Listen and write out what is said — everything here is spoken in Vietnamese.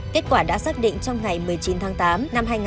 kết quả đã xác định trong ngày một mươi chín tháng tám năm hai nghìn một mươi ba